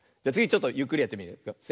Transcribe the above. じゃつぎちょっとゆっくりやってみるよ。